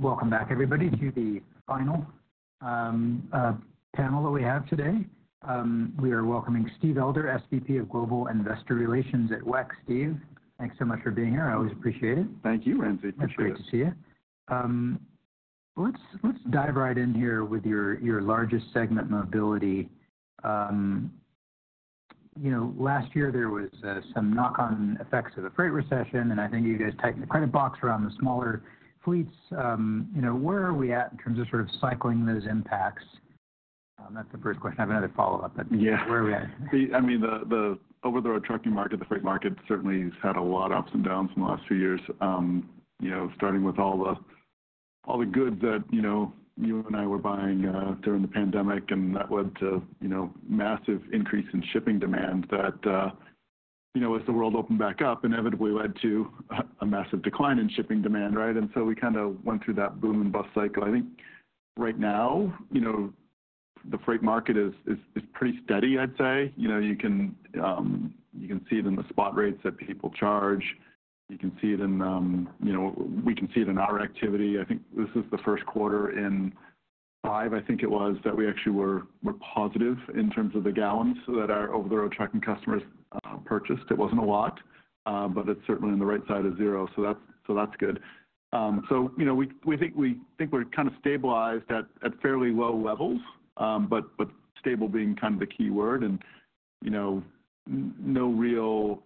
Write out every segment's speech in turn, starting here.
Welcome back, everybody, to the final panel that we have today. We are welcoming Steve Elder, SVP of Global Investor Relations at WEX. Steve, thanks so much for being here. I always appreciate it. Thank you, Ramsey. Appreciate it. That's great to see you. Let's dive right in here with your largest segment, Mobility. Last year, there was some knock-on effects of the freight recession, and I think you guys tightened the Credit Box around the smaller fleets. Where are we at in terms of sort of cycling those impacts? That's the first question. I have another follow-up, but where are we at? Yeah. I mean, the over-the-road trucking market, the freight market, certainly has had a lot of ups and downs in the last few years, starting with all the goods that you and I were buying during the pandemic, and that led to a massive increase in shipping demand that, as the world opened back up, inevitably led to a massive decline in shipping demand, right? And so we kind of went through that boom and bust cycle. I think right now, the freight market is pretty steady, I'd say. You can see it in the spot rates that people charge. We can see it in our activity. I think this is the first quarter in 5, I think it was, that we actually were positive in terms of the gallons that our over-the-road trucking customers purchased. It wasn't a lot, but it's certainly on the right side of zero, so that's good. So we think we're kind of stabilized at fairly low levels, but stable being kind of the key word, and no real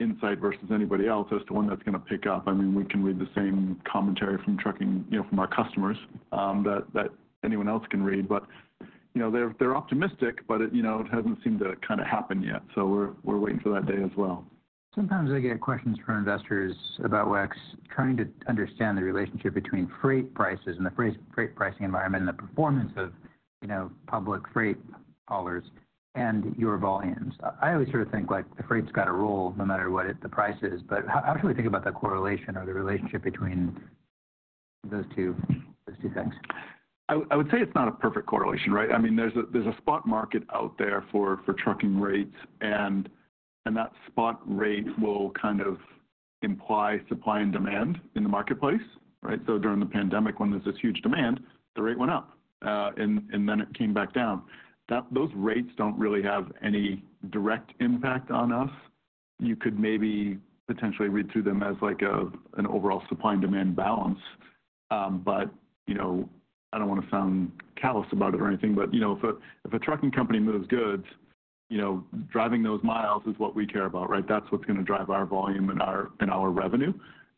insight versus anybody else as to when that's going to pick up. I mean, we can read the same commentary from trucking from our customers that anyone else can read. But they're optimistic, but it hasn't seemed to kind of happen yet, so we're waiting for that day as well. Sometimes I get questions from investors about WEX trying to understand the relationship between freight prices and the freight pricing environment and the performance of public freight haulers and your volumes. I always sort of think the freight's got a role no matter what the price is, but how should we think about that correlation or the relationship between those two things? I would say it's not a perfect correlation, right? I mean, there's a spot market out there for trucking rates, and that spot rate will kind of imply supply and demand in the marketplace, right? So during the pandemic, when there's this huge demand, the rate went up, and then it came back down. Those rates don't really have any direct impact on us. You could maybe potentially read through them as an overall supply and demand balance, but I don't want to sound callous about it or anything. But if a trucking company moves goods, driving those miles is what we care about, right? That's what's going to drive our volume and our revenue.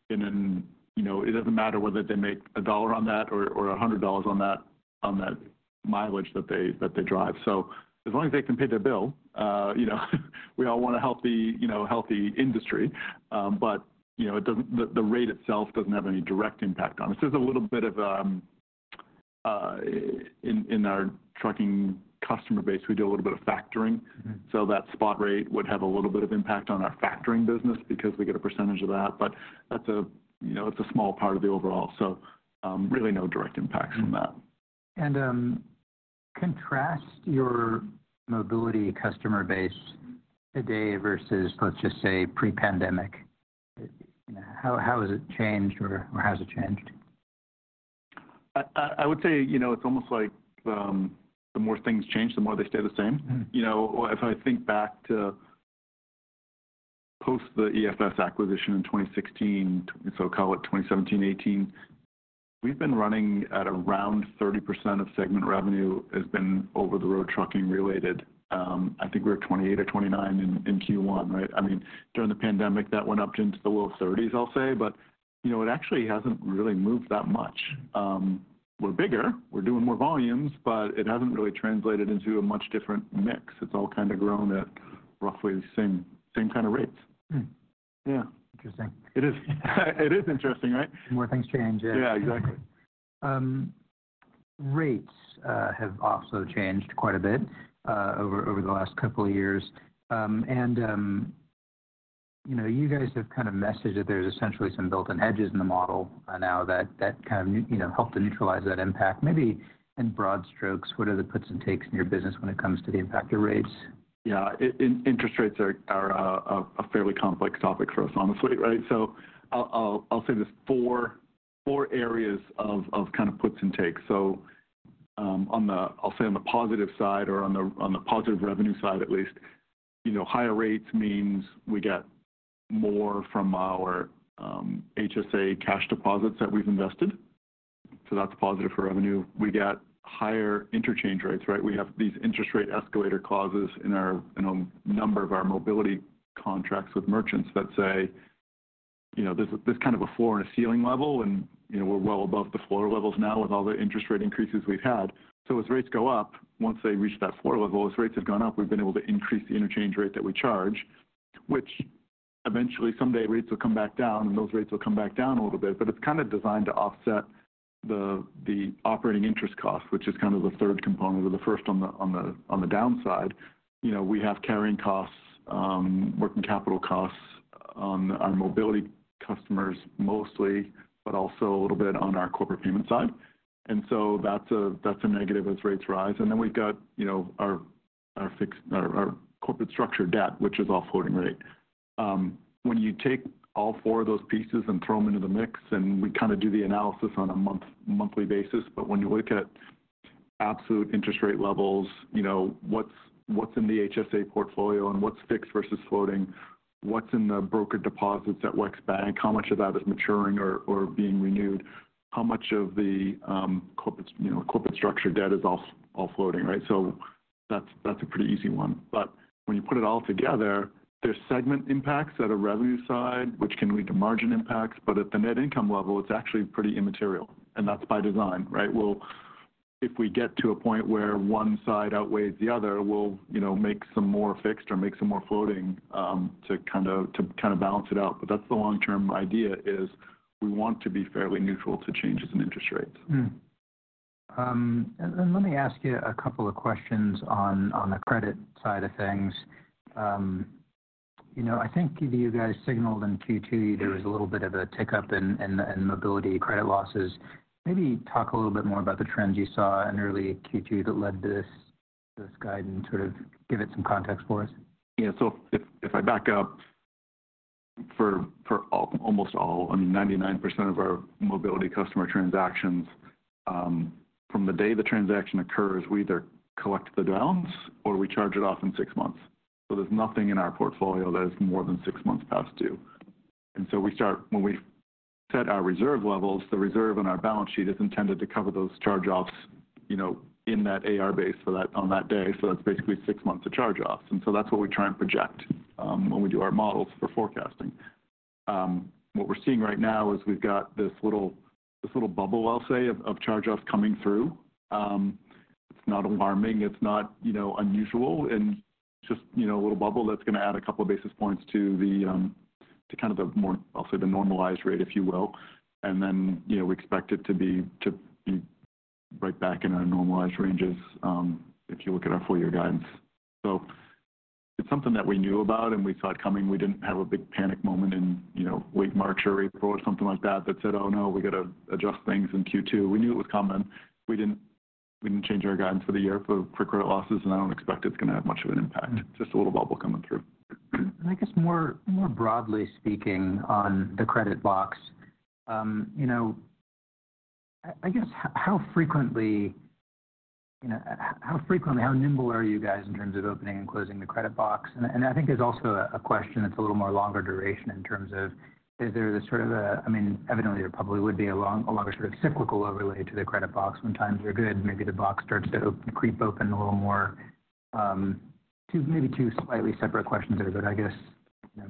And it doesn't matter whether they make $1 on that or $100 on that mileage that they drive. So as long as they can pay their bill, we all want to help the healthcare industry, but the rate itself doesn't have any direct impact on us. There's a little bit in our trucking customer base, we do a little bit of factoring, so that spot rate would have a little bit of impact on our factoring business because we get a percentage of that, but that's a small part of the overall, so really no direct impacts from that. Contrast your Mobility customer base today versus, let's just say, pre-pandemic. How has it changed or has it changed? I would say it's almost like the more things change, the more they stay the same. If I think back to post the EFS acquisition in 2016, so call it 2017, 2018, we've been running at around 30% of segment revenue has been over-the-road trucking related. I think we're at 28 or 29 in Q1, right? I mean, during the pandemic, that went up into the low 30s, I'll say, but it actually hasn't really moved that much. We're bigger. We're doing more volumes, but it hasn't really translated into a much different mix. It's all kind of grown at roughly the same kind of rates. Yeah. Interesting. It is. It is interesting, right? The more things change, yeah. Yeah, exactly. Rates have also changed quite a bit over the last couple of years, and you guys have kind of messaged that there's essentially some built-in hedges in the model now that kind of helped to neutralize that impact. Maybe in broad strokes, what are the puts and takes in your business when it comes to the impact of rates? Yeah. Interest rates are a fairly complex topic for us, honestly, right? So I'll say there's four areas of kind of puts and takes. So I'll say on the positive side or on the positive revenue side, at least, higher rates means we got more from our HSA cash deposits that we've invested, so that's positive for revenue. We got higher interchange rates, right? We have these interest rate escalator clauses in a number of our mobility contracts with merchants that say there's kind of a floor and a ceiling level, and we're well above the floor levels now with all the interest rate increases we've had. So as rates go up, once they reach that floor level, as rates have gone up, we've been able to increase the interchange rate that we charge, which eventually, someday, rates will come back down, and those rates will come back down a little bit, but it's kind of designed to offset the operating interest costs, which is kind of the third component or the first on the downside. We have carrying costs, working capital costs on our mobility customers mostly, but also a little bit on our corporate payment side. And so that's a negative as rates rise. And then we've got our corporate structure debt, which is floating rate. When you take all four of those pieces and throw them into the mix, and we kind of do the analysis on a monthly basis, but when you look at absolute interest rate levels, what's in the HSA portfolio and what's fixed versus floating, what's in the brokered deposits at WEX Bank, how much of that is maturing or being renewed, how much of the corporate structure debt is offloading, right? So that's a pretty easy one. But when you put it all together, there's segment impacts at a revenue side, which can lead to margin impacts, but at the net income level, it's actually pretty immaterial, and that's by design, right? Well, if we get to a point where one side outweighs the other, we'll make some more fixed or make some more floating to kind of balance it out, but that's the long-term idea, is we want to be fairly neutral to changes in interest rates. Let me ask you a couple of questions on the credit side of things. I think you guys signaled in Q2 there was a little bit of a tickup in Mobility credit losses. Maybe talk a little bit more about the trends you saw in early Q2 that led to this guide and sort of give it some context for us. Yeah. So if I back up for almost all, I mean, 99% of our mobility customer transactions, from the day the transaction occurs, we either collect the balance or we charge it off in six months. So there's nothing in our portfolio that is more than six months past due. And so when we set our reserve levels, the reserve on our balance sheet is intended to cover those charge-offs in that AR base on that day, so that's basically six months of charge-offs. And so that's what we try and project when we do our models for forecasting. What we're seeing right now is we've got this little bubble, I'll say, of charge-offs coming through. It's not alarming. It's not unusual. And just a little bubble that's going to add a couple of basis points to kind of the more, I'll say, the normalized rate, if you will. And then we expect it to be right back in our normalized ranges if you look at our full-year guidance. So it's something that we knew about, and we saw it coming. We didn't have a big panic moment in late March or April or something like that that said, "Oh no, we got to adjust things in Q2." We knew it was coming. We didn't change our guidance for the year for credit losses, and I don't expect it's going to have much of an impact. Just a little bubble coming through. I guess more broadly speaking on the credit box, I guess how frequently how nimble are you guys in terms of opening and closing the credit box? And I think there's also a question that's a little more longer duration in terms of is there this sort of a—I mean, evidently, there probably would be a longer sort of cyclical overlay to the credit box when times are good. Maybe the box starts to creep open a little more. Maybe two slightly separate questions there, but I guess.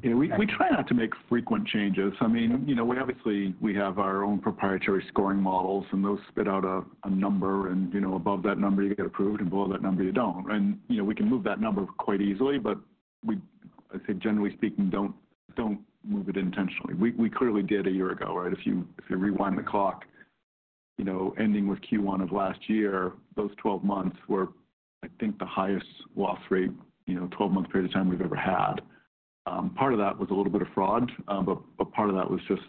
Yeah. We try not to make frequent changes. I mean, obviously, we have our own proprietary scoring models, and those spit out a number, and above that number, you get approved, and below that number, you don't, right? And we can move that number quite easily, but I think, generally speaking, don't move it intentionally. We clearly did a year ago, right? If you rewind the clock, ending with Q1 of last year, those 12 months were, I think, the highest loss rate 12-month period of time we've ever had. Part of that was a little bit of fraud, but part of that was just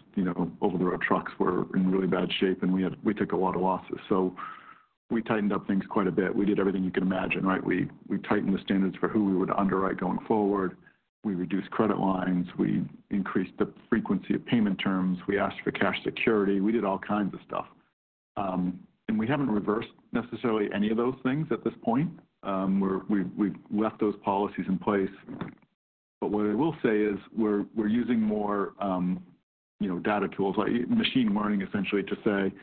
over-the-road trucks were in really bad shape, and we took a lot of losses. So we tightened up things quite a bit. We did everything you can imagine, right? We tightened the standards for who we would underwrite going forward. We reduced credit lines. We increased the frequency of payment terms. We asked for cash security. We did all kinds of stuff. And we haven't reversed necessarily any of those things at this point. We've left those policies in place. But what I will say is we're using more data tools like machine learning, essentially, to say,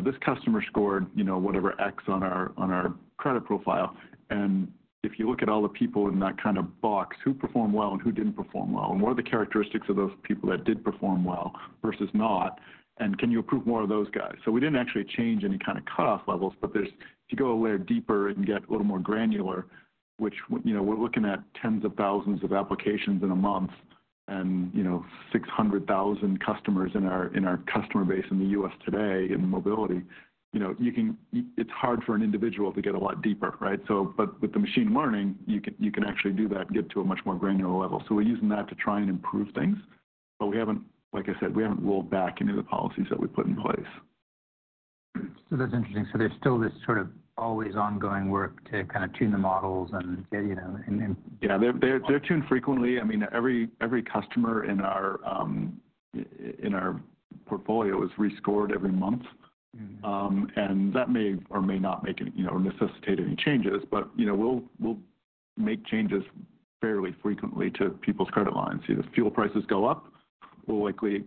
"This customer scored whatever X on our credit profile. If you look at all the people in that kind of box, who performed well and who didn't perform well, and what are the characteristics of those people that did perform well versus not, and can you approve more of those guys? So we didn't actually change any kind of cutoff levels, but if you go a layer deeper and get a little more granular, which we're looking at tens of thousands of applications in a month and 600,000 customers in our customer base in the U.S. today in Mobility, it's hard for an individual to get a lot deeper, right? But with the machine learning, you can actually do that and get to a much more granular level. So we're using that to try and improve things, but like I said, we haven't rolled back any of the policies that we put in place. That's interesting. There's still this sort of always-ongoing work to kind of tune the models and get in. Yeah. They're tuned frequently. I mean, every customer in our portfolio is rescored every month, and that may or may not make or necessitate any changes, but we'll make changes fairly frequently to people's credit lines. If fuel prices go up, we'll likely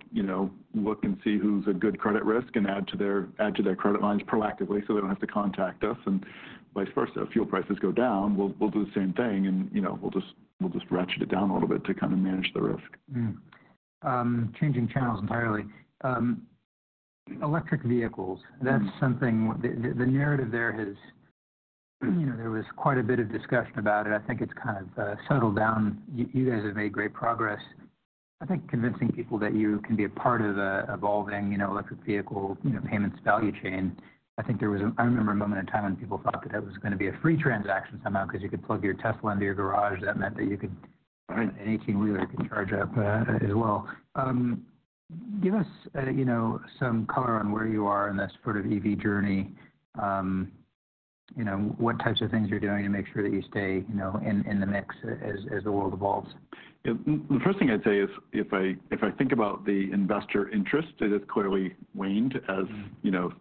look and see who's a good credit risk and add to their credit lines proactively so they don't have to contact us and vice versa. If fuel prices go down, we'll do the same thing, and we'll just ratchet it down a little bit to kind of manage the risk. Changing channels entirely. Electric vehicles, that's something the narrative there was quite a bit of discussion about it. I think it's kind of settled down. You guys have made great progress. I think convincing people that you can be a part of evolving electric vehicle payments value chain, I remember a moment in time when people thought that it was going to be a free transaction somehow because you could plug your Tesla into your garage. That meant that an 18-wheeler could charge up as well. Give us some color on where you are in this sort of EV journey, what types of things you're doing to make sure that you stay in the mix as the world evolves? The first thing I'd say is if I think about the investor interest, it has clearly waned as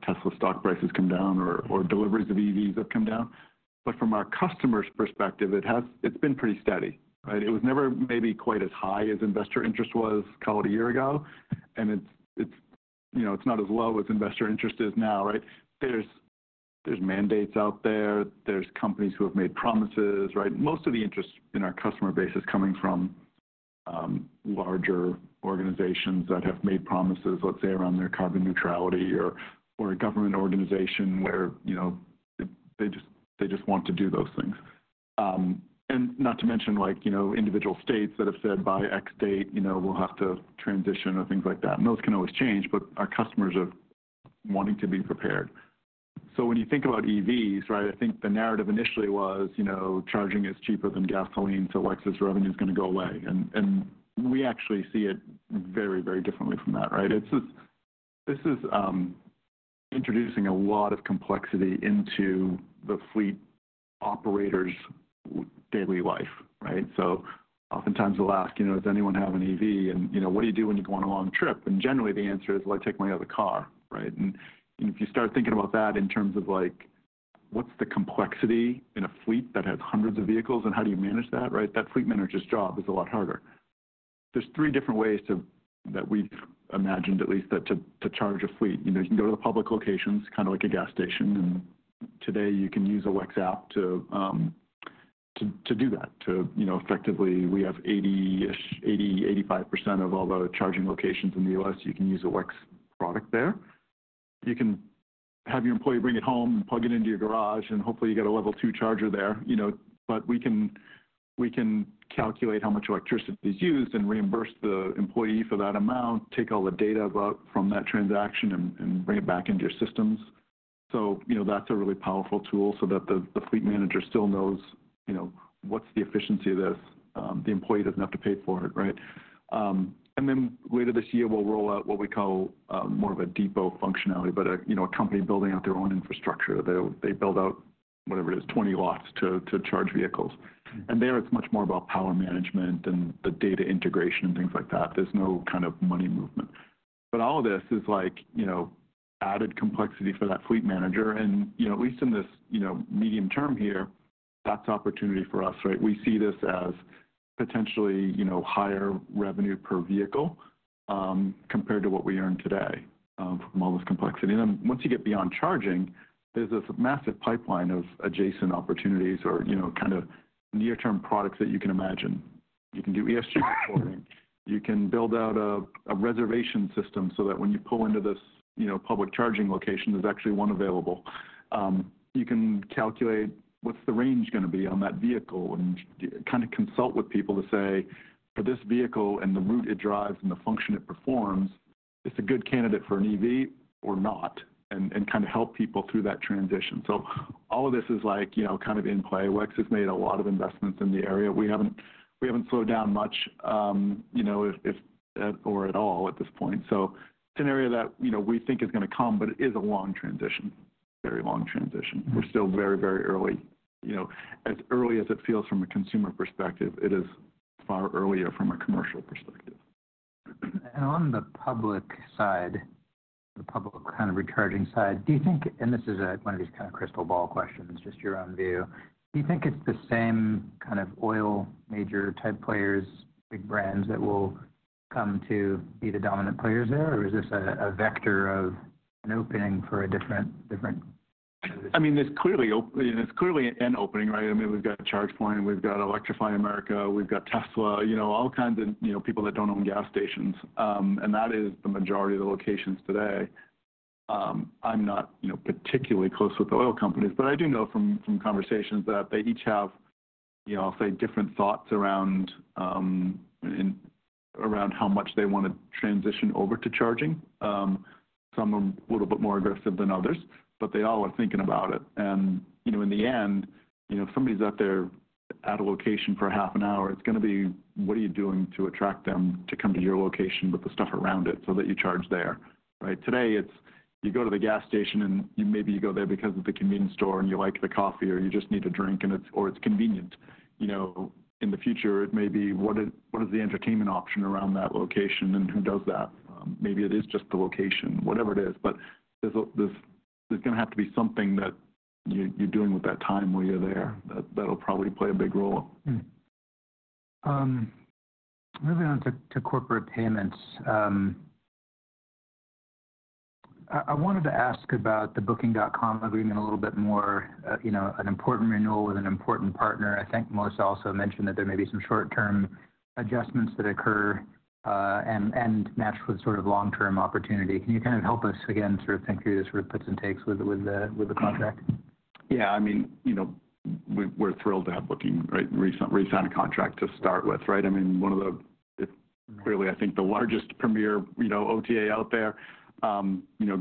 Tesla stock prices come down or deliveries of EVs have come down. But from our customers' perspective, it's been pretty steady, right? It was never maybe quite as high as investor interest was, call it a year ago, and it's not as low as investor interest is now, right? There's mandates out there. There's companies who have made promises, right? Most of the interest in our customer base is coming from larger organizations that have made promises, let's say, around their carbon neutrality or a government organization where they just want to do those things. And not to mention individual states that have said, "By X date, we'll have to transition," or things like that. And those can always change, but our customers are wanting to be prepared. So when you think about EVs, right, I think the narrative initially was charging is cheaper than gasoline, so less revenue is going to go away. And we actually see it very, very differently from that, right? This is introducing a lot of complexity into the fleet operator's daily life, right? So oftentimes, they'll ask, "Does anyone have an EV? And what do you do when you go on a long trip?" And generally, the answer is, "I take my other car," right? And if you start thinking about that in terms of what's the complexity in a fleet that has hundreds of vehicles, and how do you manage that, right? That fleet manager's job is a lot harder. There's three different ways that we've imagined, at least, to charge a fleet. You can go to the public locations, kind of like a gas station, and today, you can use a WEX app to do that, to effectively we have 80-ish, 80, 85% of all the charging locations in the US. You can use a WEX product there. You can have your employee bring it home and plug it into your garage, and hopefully, you got a level two charger there. But we can calculate how much electricity is used and reimburse the employee for that amount, take all the data from that transaction, and bring it back into your systems. So that's a really powerful tool so that the fleet manager still knows what's the efficiency of this. The employee doesn't have to pay for it, right? Then later this year, we'll roll out what we call more of a depot functionality, but a company building out their own infrastructure. They build out whatever it is, 20 lots to charge vehicles. And there, it's much more about power management and the data integration and things like that. There's no kind of money movement. But all of this is added complexity for that fleet manager. And at least in this medium term here, that's opportunity for us, right? We see this as potentially higher revenue per vehicle compared to what we earn today from all this complexity. And then once you get beyond charging, there's this massive pipeline of adjacent opportunities or kind of near-term products that you can imagine. You can do ESG reporting. You can build out a reservation system so that when you pull into this public charging location, there's actually one available. You can calculate what's the range going to be on that vehicle and kind of consult with people to say, "For this vehicle and the route it drives and the function it performs, it's a good candidate for an EV or not," and kind of help people through that transition. So all of this is kind of in play. WEX has made a lot of investments in the area. We haven't slowed down much or at all at this point. So it's an area that we think is going to come, but it is a long transition, very long transition. We're still very, very early. As early as it feels from a consumer perspective, it is far earlier from a commercial perspective. On the public side, the public kind of recharging side, do you think and this is one of these kind of crystal ball questions, just your own view. Do you think it's the same kind of oil major type players, big brands that will come to be the dominant players there, or is this a vector of an opening for a different kind of this? I mean, it's clearly an opening, right? I mean, we've got ChargePoint. We've got Electrify America. We've got Tesla, all kinds of people that don't own gas stations. And that is the majority of the locations today. I'm not particularly close with the oil companies, but I do know from conversations that they each have, I'll say, different thoughts around how much they want to transition over to charging. Some are a little bit more aggressive than others, but they all are thinking about it. And in the end, if somebody's out there at a location for half an hour, it's going to be, "What are you doing to attract them to come to your location with the stuff around it so that you charge there," right? Today, you go to the gas station, and maybe you go there because of the convenience store and you like the coffee or you just need a drink or it's convenient. In the future, it may be, "What is the entertainment option around that location, and who does that?" Maybe it is just the location, whatever it is. But there's going to have to be something that you're doing with that time while you're there that'll probably play a big role. Moving on to Corporate Payments. I wanted to ask about the Booking.com agreement a little bit more, an important renewal with an important partner. I think Melissa also mentioned that there may be some short-term adjustments that occur and match with sort of long-term opportunity. Can you kind of help us, again, sort of think through the sort of puts and takes with the contract? Yeah. I mean, we're thrilled to have Booking re-sign a contract to start with, right? I mean, one of the clearly, I think, the largest premier OTA out there,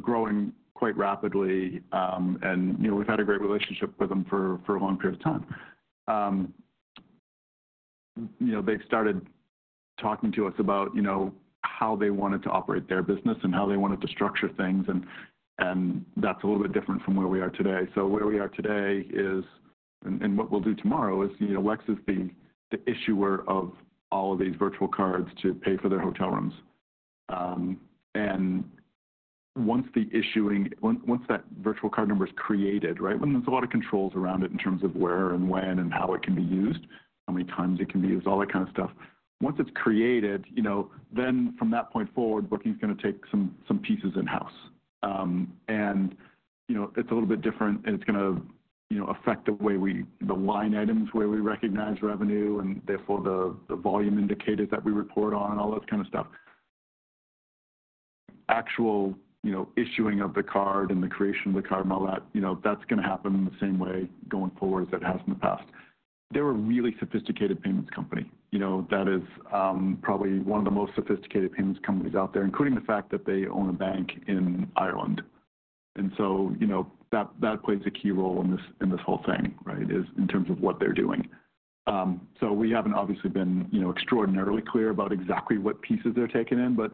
growing quite rapidly, and we've had a great relationship with them for a long period of time. They've started talking to us about how they wanted to operate their business and how they wanted to structure things, and that's a little bit different from where we are today. So where we are today is and what we'll do tomorrow is WEX is the issuer of all of these virtual cards to pay for their hotel rooms. And once that virtual card number is created, right, when there's a lot of controls around it in terms of where and when and how it can be used, how many times it can be used, all that kind of stuff, once it's created, then from that point forward, Booking's going to take some pieces in-house. And it's a little bit different, and it's going to affect the line items, where we recognize revenue, and therefore, the volume indicators that we report on and all that kind of stuff. Actual issuing of the card and the creation of the card and all that, that's going to happen the same way going forward as it has in the past. They're a really sophisticated payments company. That is probably one of the most sophisticated payments companies out there, including the fact that they own a bank in Ireland. And so that plays a key role in this whole thing, right, in terms of what they're doing. So we haven't obviously been extraordinarily clear about exactly what pieces they're taking in, but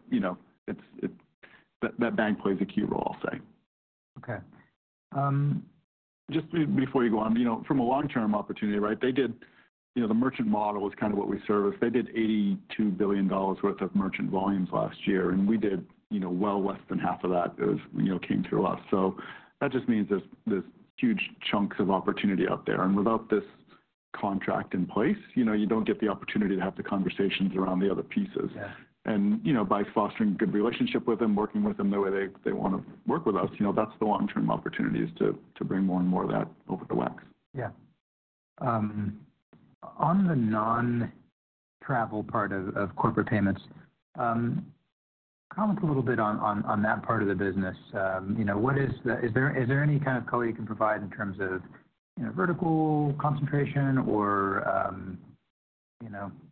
that bank plays a key role, I'll say. Okay. Just before you go on, from a long-term opportunity, right, they did the merchant model is kind of what we service. They did $82 billion worth of merchant volumes last year, and we did well less than half of that came through us. So that just means there's huge chunks of opportunity out there. And without this contract in place, you don't get the opportunity to have the conversations around the other pieces. And by fostering a good relationship with them, working with them the way they want to work with us, that's the long-term opportunity is to bring more and more of that over to WEX. Yeah. On the non-travel part of Corporate Payments, comment a little bit on that part of the business. Is there any kind of code you can provide in terms of vertical concentration or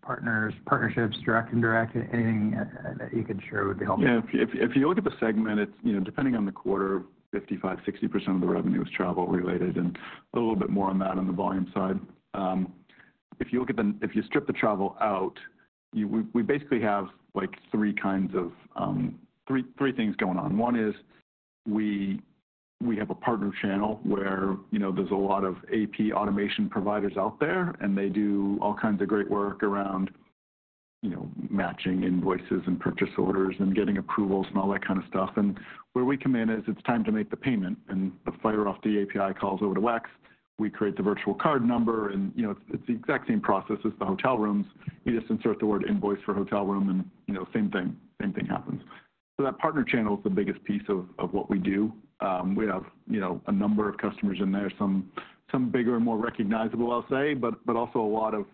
partners, partnerships, direct and direct, anything that you could share would be helpful? Yeah. If you look at the segment, depending on the quarter, 55%-60% of the revenue is travel-related and a little bit more on that on the volume side. If you strip the travel out, we basically have three kinds of three things going on. One is we have a partner channel where there's a lot of AP automation providers out there, and they do all kinds of great work around matching invoices and purchase orders and getting approvals and all that kind of stuff. And where we come in is it's time to make the payment, and the third-party API calls over to WEX. We create the virtual card number, and it's the exact same process as the hotel rooms. You just insert the word invoice for hotel room, and same thing happens. So that partner channel is the biggest piece of what we do. We have a number of customers in there, some bigger and more recognizable, I'll say, but also a lot of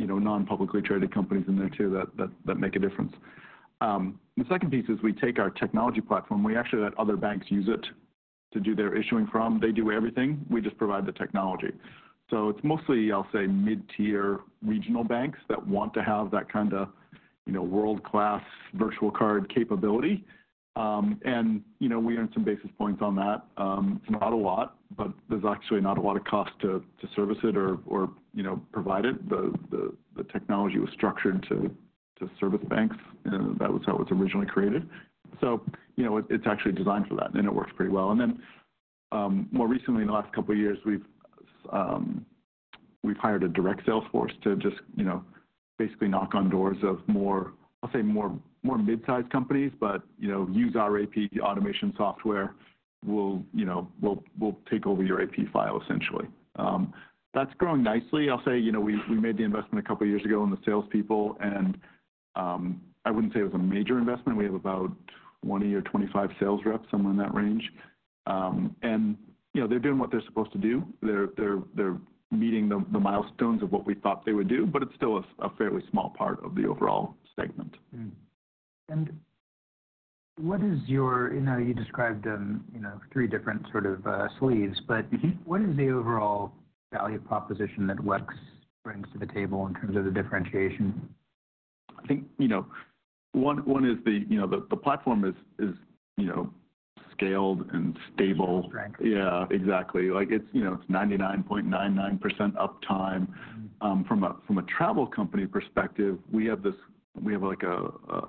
non-publicly traded companies in there too that make a difference. The second piece is we take our technology platform. We actually let other banks use it to do their issuing from. They do everything. We just provide the technology. So it's mostly, I'll say, mid-tier regional banks that want to have that kind of world-class virtual card capability. And we earn some basis points on that. It's not a lot, but there's actually not a lot of cost to service it or provide it. The technology was structured to service banks. That was how it was originally created. So it's actually designed for that, and it works pretty well. And then more recently, in the last couple of years, we've hired a direct sales force to just basically knock on doors of more, I'll say, more midsize companies, but use our AP Automation software. We'll take over your AP file, essentially. That's growing nicely. I'll say we made the investment a couple of years ago in the salespeople, and I wouldn't say it was a major investment. We have about 20 or 25 sales reps, somewhere in that range. And they're doing what they're supposed to do. They're meeting the milestones of what we thought they would do, but it's still a fairly small part of the overall segment. What is your view? You described three different sort of sleeves, but what is the overall value proposition that WEX brings to the table in terms of the differentiation? I think one is the platform is scaled and stable. Strength. Yeah, exactly. It's 99.99% uptime. From a travel company perspective, we have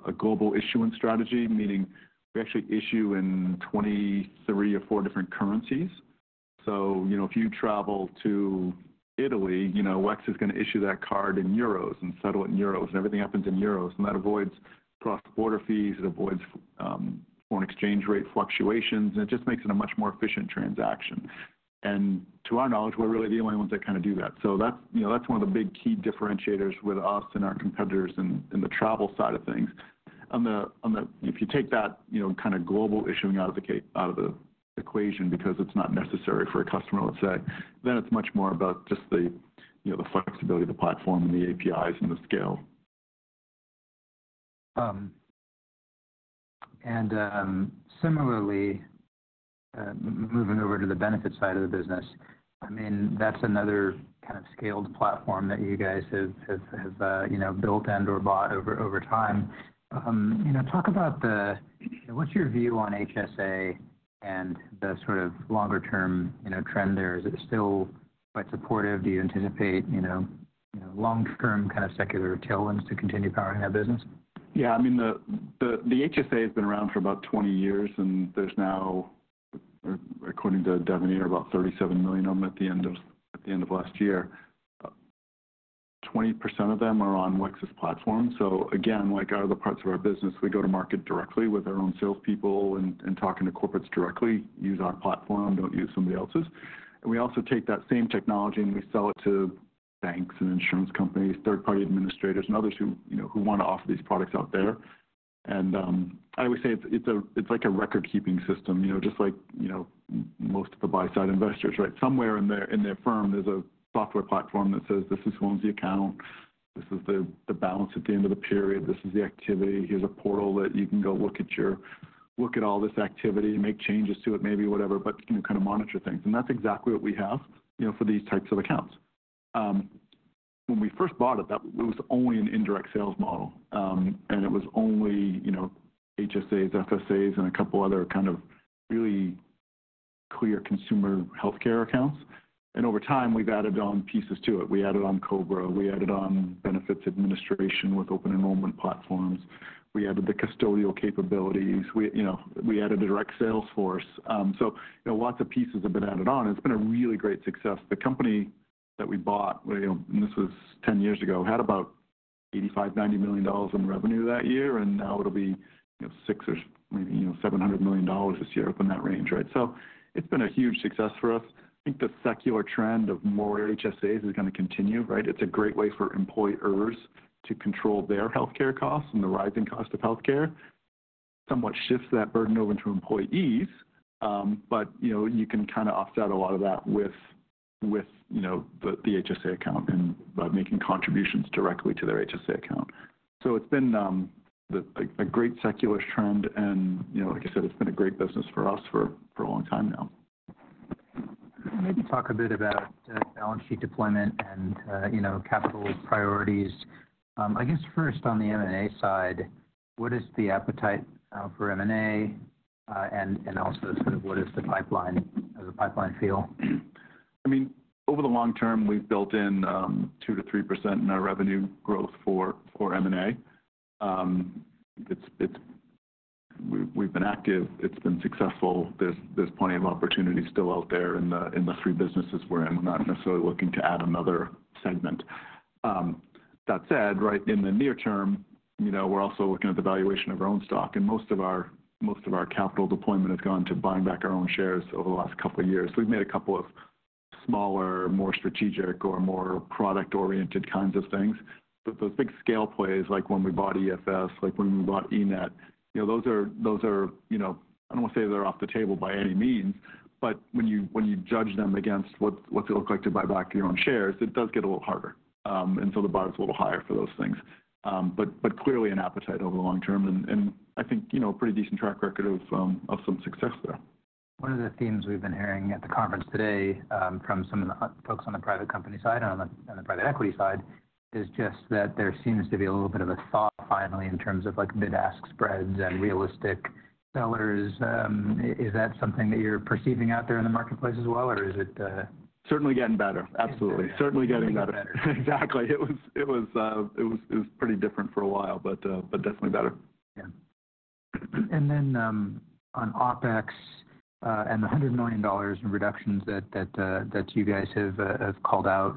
a global issuance strategy, meaning we actually issue in 23 or 24 different currencies. So if you travel to Italy, WEX is going to issue that card in euros and settle it in euros, and everything happens in euros. And that avoids cross-border fees. It avoids foreign exchange rate fluctuations, and it just makes it a much more efficient transaction. And to our knowledge, we're really the only ones that kind of do that. So that's one of the big key differentiators with us and our competitors in the travel side of things. If you take that kind of global issuing out of the equation because it's not necessary for a customer, let's say, then it's much more about just the flexibility of the platform and the APIs and the scale. And similarly, moving over to the benefits side of the business, I mean, that's another kind of scaled platform that you guys have built and/or bought over time. Talk about what's your view on HSA and the sort of longer-term trend there? Is it still quite supportive? Do you anticipate long-term kind of secular tailwinds to continue powering that business? Yeah. I mean, the HSA has been around for about 20 years, and there's now, according to Devenir, about 37 million of them at the end of last year. 20% of them are on WEX's platform. So again, like other parts of our business, we go to market directly with our own salespeople and talking to corporates directly, use our platform, don't use somebody else's. And we also take that same technology, and we sell it to banks and insurance companies, third-party administrators, and others who want to offer these products out there. And I always say it's like a record-keeping system, just like most of the buy-side investors, right? Somewhere in their firm, there's a software platform that says, "This is who owns the account. This is the balance at the end of the period. This is the activity. Here's a portal that you can go look at all this activity, make changes to it, maybe, whatever, but kind of monitor things." And that's exactly what we have for these types of accounts. When we first bought it, it was only an indirect sales model, and it was only HSAs, FSAs, and a couple other kind of really clear consumer healthcare accounts. And over time, we've added on pieces to it. We added on COBRA. We added on benefits administration with open enrollment platforms. We added the custodial capabilities. We added a direct salesforce. So lots of pieces have been added on, and it's been a really great success. The company that we bought, and this was 10 years ago, had about $85 million-$90 million in revenue that year, and now it'll be $600 million or maybe $700 million this year up in that range, right? So it's been a huge success for us. I think the secular trend of more HSAs is going to continue, right? It's a great way for employers to control their healthcare costs and the rising cost of healthcare. Somewhat shifts that burden over into employees, but you can kind of offset a lot of that with the HSA account and by making contributions directly to their HSA account. So it's been a great secular trend, and like I said, it's been a great business for us for a long time now. Maybe talk a bit about balance sheet deployment and capital priorities. I guess first, on the M&A side, what is the appetite for M&A, and also sort of what is the pipeline? How does the pipeline feel? I mean, over the long term, we've built in 2%-3% in our revenue growth for M&A. We've been active. It's been successful. There's plenty of opportunity still out there in the three businesses we're in. We're not necessarily looking to add another segment. That said, right, in the near term, we're also looking at the valuation of our own stock, and most of our capital deployment has gone to buying back our own shares over the last couple of years. We've made a couple of smaller, more strategic or more product-oriented kinds of things. But those big scale plays, like when we bought EFS, like when we bought eNett, those are I don't want to say they're off the table by any means, but when you judge them against what's it look like to buy back your own shares, it does get a little harder. The bar is a little higher for those things. Clearly, an appetite over the long term, and I think a pretty decent track record of some success there. One of the themes we've been hearing at the conference today from some of the folks on the private company side and on the private equity side is just that there seems to be a little bit of a thaw finally in terms of bid-ask spreads and realistic sellers. Is that something that you're perceiving out there in the marketplace as well, or is it? Certainly getting better. Absolutely. Certainly getting better. Exactly. It was pretty different for a while, but definitely better. Yeah. And then on OpEx and the $100 million in reductions that you guys have called out,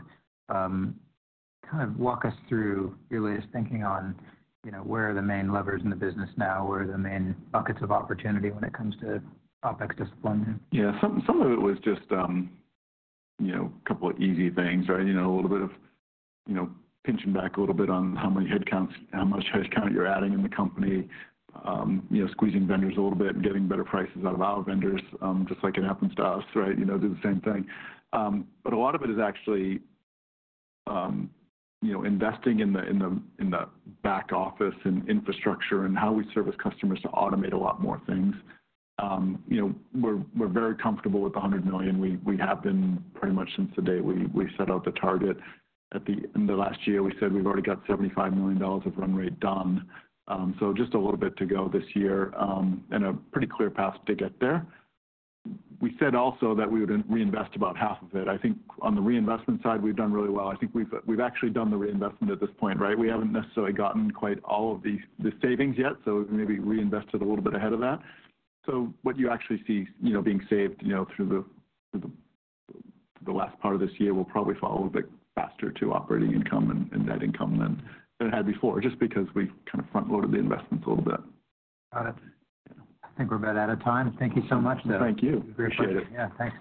kind of walk us through your latest thinking on where are the main levers in the business now? Where are the main buckets of opportunity when it comes to OpEx disciplining? Yeah. Some of it was just a couple of easy things, right? A little bit of pinching back a little bit on how many headcounts, how much headcount you're adding in the company, squeezing vendors a little bit and getting better prices out of our vendors, just like it happens to us, right? Do the same thing. But a lot of it is actually investing in the back office and infrastructure and how we service customers to automate a lot more things. We're very comfortable with the $100 million. We have been pretty much since the day we set out the target. In the last year, we said we've already got $75 million of run rate done. So just a little bit to go this year and a pretty clear path to get there. We said also that we would reinvest about half of it. I think on the reinvestment side, we've done really well. I think we've actually done the reinvestment at this point, right? We haven't necessarily gotten quite all of the savings yet, so we maybe reinvested a little bit ahead of that. So what you actually see being saved through the last part of this year will probably fall a little bit faster to operating income and net income than it had before, just because we kind of front-loaded the investments a little bit. Got it. I think we're about out of time. Thank you so much, though. Thank you. I appreciate it. Yeah. Thanks.